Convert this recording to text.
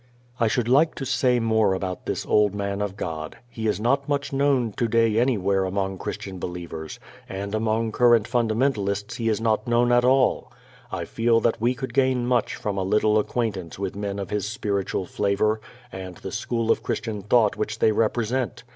I should like to say more about this old man of God. He is not much known today anywhere among Christian believers, and among current Fundamentalists he is known not at all. I feel that we could gain much from a little acquaintance with men of his spiritual flavor and the school of Christian thought which they represent.